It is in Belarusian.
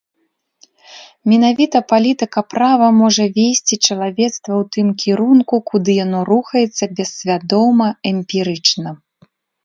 Менавіта палітыка права можа весці чалавецтва ў тым кірунку, куды яно рухаецца бессвядома, эмпірычна.